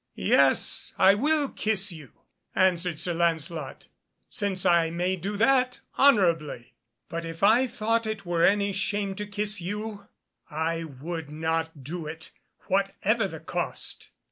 "Yes, I will kiss you," answered Sir Lancelot, "since I may do that honourably; but if I thought it were any shame to kiss you, I would not do it, whatever the cost."